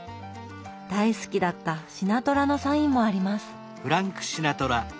大好きだったシナトラのサインもあります。